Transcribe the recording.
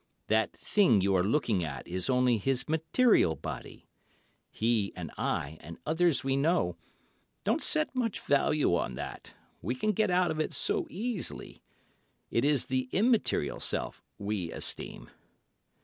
That thing you are looking at is only his material body. He, and I, and others we know, don't set much value on that, we can get out of it so easily. It's the immaterial self we esteem."